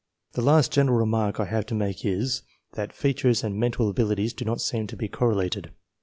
The last general remark I have to make is, that features and mental abilities do not seem to be correlated.